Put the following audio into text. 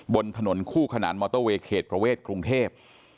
บนถนนคู่ขนานมอเตอร์เวย์เขตประเวทกรุงเทพ